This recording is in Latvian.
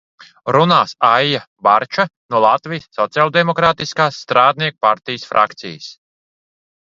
Runās Aija Barča no Latvijas Sociāldemokrātiskās strādnieku partijas frakcijas.